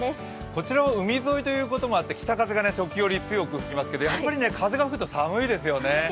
こちらは海沿いということもあって、北風が時折強く吹きますけど、やっぱり風が吹くと寒いですよね。